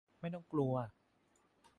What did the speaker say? ไม่ต้องกลัว !